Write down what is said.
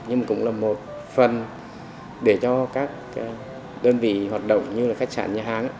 nhưng cũng là một phần để cho các đơn vị hoạt động như là khách sạn nhà hàng